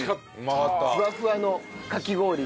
ふわふわのかき氷。